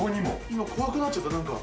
今、怖くなっちゃった。